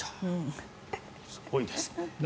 すごいですね。